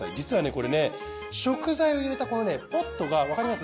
これね食材を入れたこのねポットがわかります？